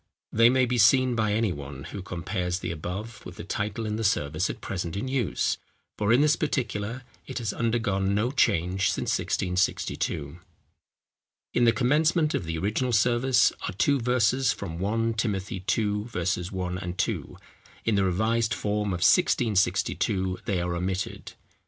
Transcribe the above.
They may be seen by any one, who compares the above with the title in the service at present in use, for in this particular it has undergone no change since 1662. In the commencement of the original service are two verses from 1 Timothy ii. 1, 2: in the revised form of 1662 they are omitted.